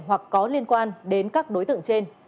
hoặc có liên quan đến các đối tượng trên